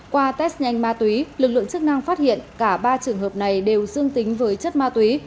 qua test nhanh ma túy lực lượng chức năng phát hiện cả ba trường hợp này đều dương tính với chất ma túy